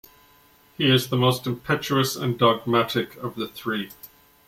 He is the most impetuous and dogmatic of the three.